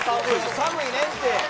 寒いねんて。